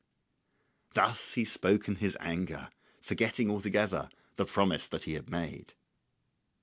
Thus he spoke in his anger, forgetting altogether the promise he had made.